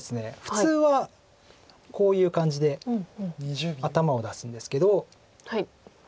普通はこういう感じで頭を出すんですけど。